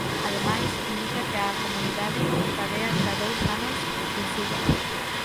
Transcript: Ademais, indica que a comunidade encadea xa dous anos de suba.